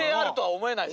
思えない。